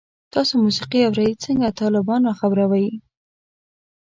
تاسو موسیقی اورئ؟ څنګه، طالبان را خبروئ